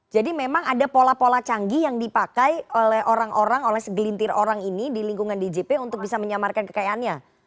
jadi memang ada pola pola canggih yang dipakai oleh orang orang oleh segelintir orang ini di lingkungan djp untuk bisa menyamarkan kekayaannya